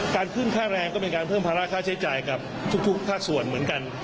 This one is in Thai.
การขึ้นค่าแรงก็เป็นการเพิ่มภาระค่าใช้จ่ายกับทุกภาคส่วนเหมือนกัน